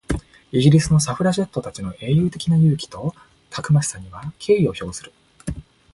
イギリスのサフラジェットたちの英雄的な勇気とたくましさには敬意を表する。